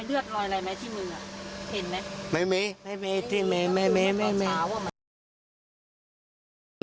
อืมเพราะมีรอยเลือดรอยอะไรไหมที่มึงน่ะ